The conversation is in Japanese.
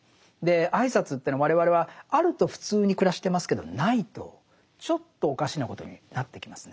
挨拶っていうのは我々はあると普通に暮らしてますけどないとちょっとおかしなことになってきますね。